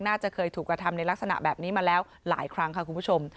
น่าจะเคยถูกกระทำในลักษณะแบบนี้มาแล้วหลายครั้งค่ะคุณผู้ชม